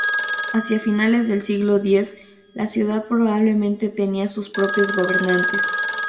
Hacia finales del siglo X, la ciudad probablemente tenía sus propios gobernantes.